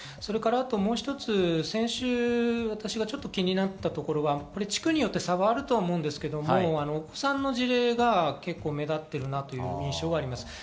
もう一つ、先週、私が気になったのは地区によって差はあると思うんですが、お子さんの事例が目立っているなという印象があります。